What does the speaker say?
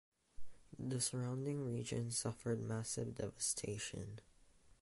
The surrounding region suffered massive devastation.